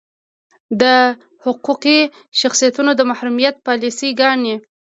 د حقوقي شخصیتونو د محرومیت پالیسي ګانې.